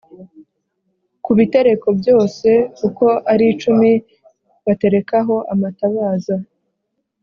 Ku bitereko byose uko ari icumi baterekaho amatabaza